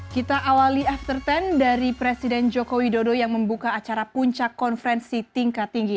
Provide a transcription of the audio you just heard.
kita awali after sepuluh dari presiden joko widodo yang membuka acara puncak konferensi tingkat tinggi